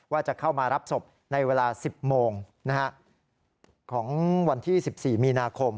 ว่าจะเข้ามารับศพในเวลา๑๐โมงของวันที่๑๔มีนาคม